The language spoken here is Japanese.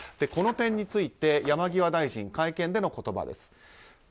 この点については山際大臣の会見での言葉です。